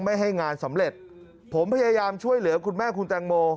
ไม่ให้งานสำเร็จผมพยายามช่วยเหลือคุณแม่คุณแตงโม